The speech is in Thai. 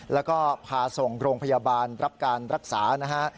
แล้วก็พาส่งโรงพยาบาลรับการรักษานะฮะ